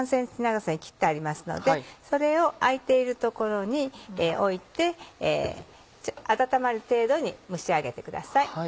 ３ｃｍ長さに切ってありますのでそれを空いている所に置いて温まる程度に蒸し上げてください。